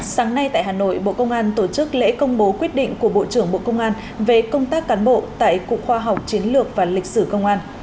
sáng nay tại hà nội bộ công an tổ chức lễ công bố quyết định của bộ trưởng bộ công an về công tác cán bộ tại cục khoa học chiến lược và lịch sử công an